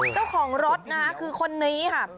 ก็ของรถคือคนนี้ค่ะ